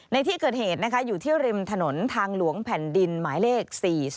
ในที่เกิดเหตุนะคะอยู่ที่ริมถนนทางหลวงแผ่นดินหมายเลข๔๔